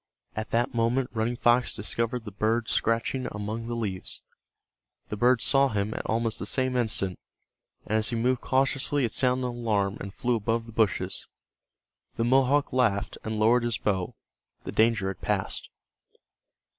At that moment Running Fox discovered the bird scratching among the leaves. The bird saw him at almost the same instant, and as he moved cautiously it sounded an alarm and flew above the bushes. The Mohawk laughed and lowered his bow. The danger had passed.